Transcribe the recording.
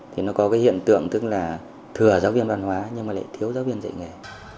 thì nó có cái hiện tượng tức là thừa giáo viên văn hóa nhưng mà lại thiếu giáo viên dạy nghề